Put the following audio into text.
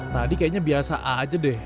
tadi kayaknya biasa aja deh